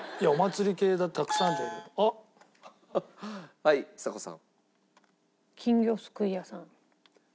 はいちさ子さん。